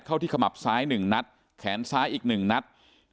เข้าที่ขมับซ้ายหนึ่งนัดแขนซ้ายอีกหนึ่งนัด